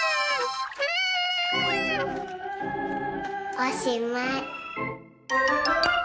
おしまい。